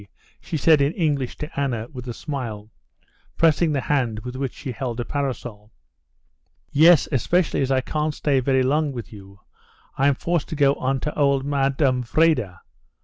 she said in English to Anna, with a smile, pressing the hand with which she held a parasol. "Yes, especially as I can't stay very long with you. I'm forced to go on to old Madame Vrede.